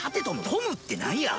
トムってなんや？